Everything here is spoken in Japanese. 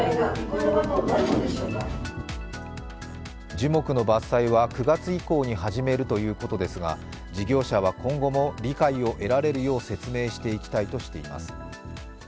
樹木の伐採は９月以降に始めるということですが事業者は今後も理解を得られるよう説明していきたいとしています。